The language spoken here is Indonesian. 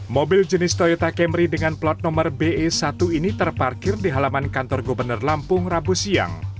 mobil jenis toyota camry dengan plat nomor be satu ini terparkir di halaman kantor gubernur lampung rabu siang